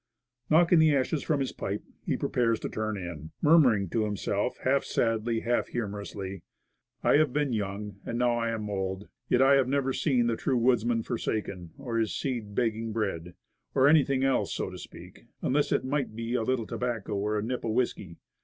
Knocking the ashes from his pipe he prepares to turn in, murmuring to himself, half sadly, half humor ously, "I have been young, and now I am old; yet have I never seen the true woodsman forsaken, or Getting Breakfast 8^ his seed begging bread or anything else, so to speak unless it might be a little tobacco or a nip of whisky."